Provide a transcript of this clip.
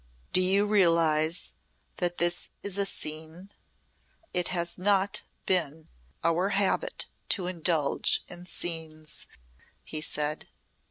"Do you realise that this is a scene? It has not been our habit to indulge in scenes," he said.